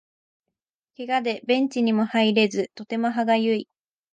ケガでベンチにも入れずとても歯がゆい